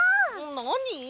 なに？